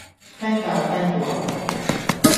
聽教聽話